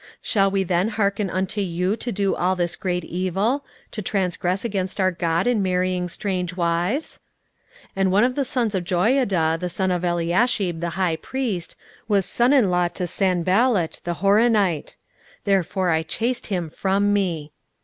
16:013:027 Shall we then hearken unto you to do all this great evil, to transgress against our God in marrying strange wives? 16:013:028 And one of the sons of Joiada, the son of Eliashib the high priest, was son in law to Sanballat the Horonite: therefore I chased him from me.